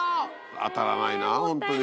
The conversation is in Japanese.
当たらないなホントに。